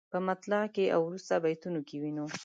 په مطلع کې او وروسته بیتونو کې وینو.